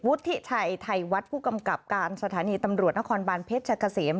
วุฒิไทยไทยวัดผู้กำกับการสถานีตำรวจนครบานเพชรเชษม